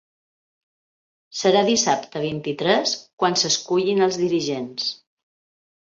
Serà dissabte vint-i-tres quan s’escullin els dirigents.